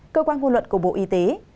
cơ quan ngôn luận của bộ y tế